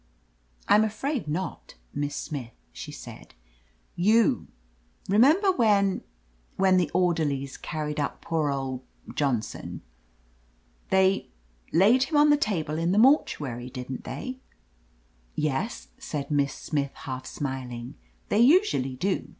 "I'm afraid not, Miss Smith,'* she said. "You — remember when — ^when the orderlies carried up poor old — ^Johnson. They — ^laid him on the table in the mortuary, didn't they?" "Yes," said Miss Smith, half smiling. "They usually do.